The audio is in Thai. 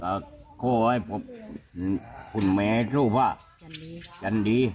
ก็โค้ยให้ปุ๊บคุณแม่ชูฟะจันดีจันดี